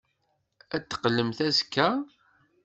Ad d-teqqlemt azekka?